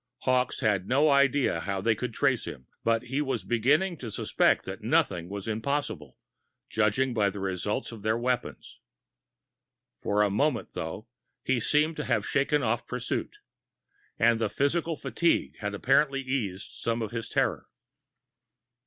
Hawkes had no idea of how they could trace him but he was beginning to suspect that nothing was impossible, judging by the results of their weapons. For the moment, though, he seemed to have shaken off pursuit. And the physical fatigue had apparently eased some of his terror.